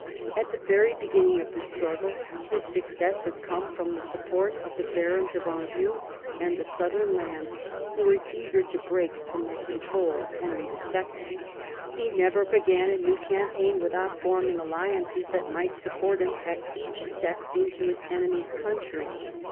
At the very beginning of the struggle his success had come from the support of the barons of Anjou and the southern lands, who were eager to break from the control of Henry II. He never began a new campaign without forming alliances that might support him at each step into his enemies' country.